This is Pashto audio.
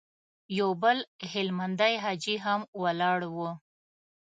يو بل هلمندی حاجي هم ولاړ و.